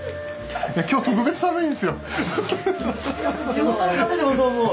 地元の方でもそう思う？